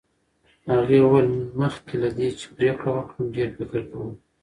هغې وویل، مخکې له دې چې پرېکړه وکړم ډېر فکر کوم.